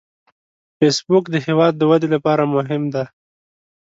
فېسبوک د هیواد د ودې لپاره مهم دی